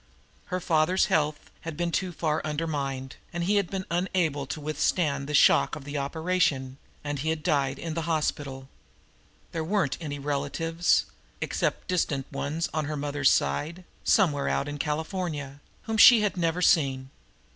Her father's health had been too far undermined, and he had been unable to withstand the shock of the operation, and he had died in the hospital. There weren't any relatives, except distant ones on her mother's side, somewhere out in California, whom she had never seen.